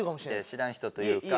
知らん人というか。